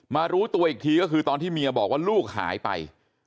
รู้ตัวอีกทีก็คือตอนที่เมียบอกว่าลูกหายไป